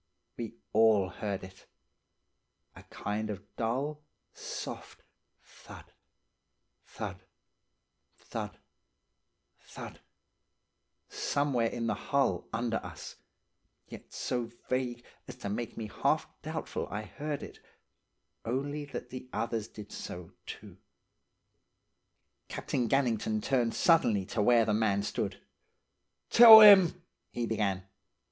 We all heard it–a kind of dull, soft thud, thud, thud, thud, somewhere in the hull under us, yet so vague as to make me half doubtful I heard it, only that the others did so, too. "Captain Gannington turned suddenly to where the man stood. "'Tell them —' he began.